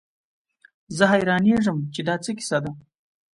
زه حيرانېږم چې دا څه کيسه ده.